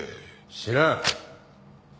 知らん。